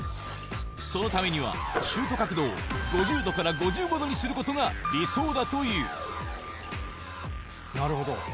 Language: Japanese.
そのためにはシュート角度を５０度から５５度にすることが理想だという。